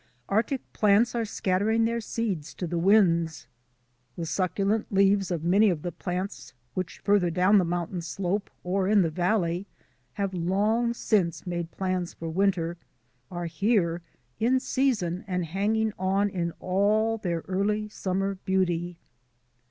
Arctic plants are scattering their seeds to the winds. The succulent leaves of many of the plants which farther down the mountain slope or in the valley have long since made plans for winter, are here in season and hanging on in all their early summer beauty.